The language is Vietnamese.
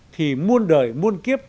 thì muôn đời muôn kiếp